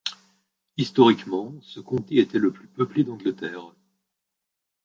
Historiquement, ce comté était le plus peuplé d'Angleterre.